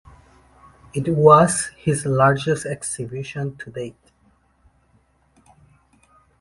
It was his largest exhibition to date.